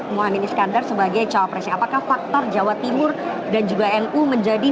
muhammad iskandar sebagai cowok presiden apakah faktor jawa timur dan juga nu menjadi